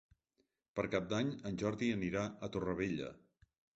Per Cap d'Any en Jordi anirà a Torrevella.